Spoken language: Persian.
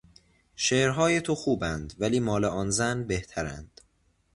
شعرهای تو خوباند ولی مال آن زن بهترند.